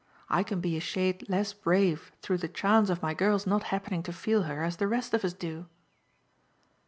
I can be a shade less brave through the chance of my girl's not happening to feel her as the rest of us do."